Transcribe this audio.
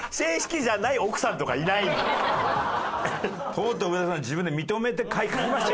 とうとう上田さん自分で認めて書きましたからね。